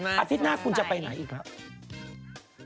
อาทิตย์หน้าคุณจะไปไหนอีกครับ